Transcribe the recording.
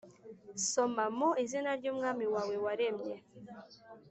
soma: mu izina ry’umwami wawe waremye.